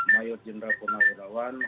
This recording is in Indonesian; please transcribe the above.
mayur jendral punggawedawan